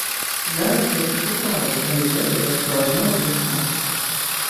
Зараз я пішу правай, але левай я ўсё адно раблю шмат.